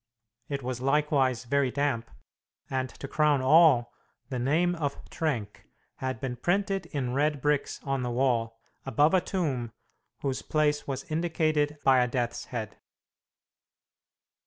It was likewise very damp, and, to crown all, the name of "Trenck" had been printed in red bricks on the wall, above a tomb whose place was indicated by a death's head.